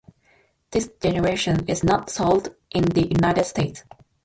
This generation is not sold in the United States.